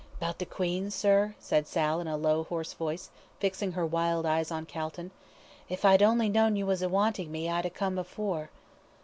"'Bout the 'Queen,' sir?" said Sal, in a low, hoarse voice, fixing her wild eyes on Calton. "If I'd only known as you was a wantin' me I'd 'ave come afore."